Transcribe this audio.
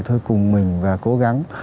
thôi cùng mình và cố gắng